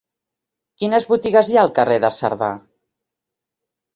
Quines botigues hi ha al carrer de Cerdà?